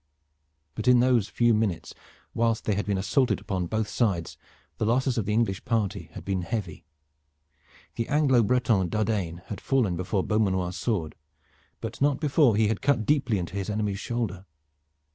But in those few minutes whilst they had been assaulted upon both sides, the losses of the English party had been heavy. The Anglo Breton D'Ardaine had fallen before Beaumanoir's sword, but not before he had cut deeply into his enemy's shoulder.